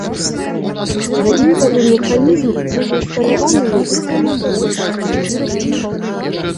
Гадзіннікавы механізм будзе ўсталяваны на бетоннай падушцы.